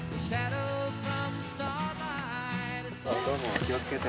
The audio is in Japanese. どうも気を付けて。